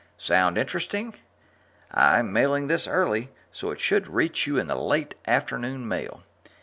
Sound interesting? I'm mailing this early, so it should reach you in the late afternoon mail.